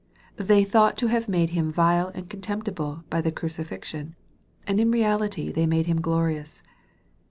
They thought to have made Him vile and contemptible by the crucifixion ; and in reality they made Him glorious.